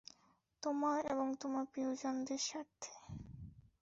তোমার এবং তোমার প্রিয়জনদের স্বার্থে।